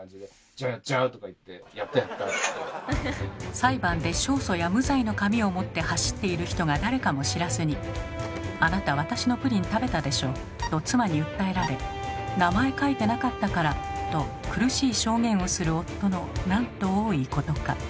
裁判で勝訴や無罪の紙を持って走っている人が誰かも知らずに「あなた私のプリン食べたでしょ」と妻に訴えられ「名前書いてなかったから」と苦しい証言をする夫のなんと多いことか。